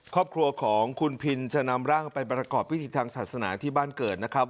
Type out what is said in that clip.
ครอบครัวของคุณพินจะนำร่างไปประกอบพิธีทางศาสนาที่บ้านเกิดนะครับ